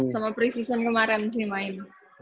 sama pre season kemaren sini main